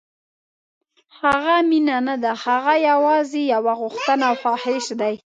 هغه مینه نه ده، هغه یوازې یو غوښتنه او خواهش دی.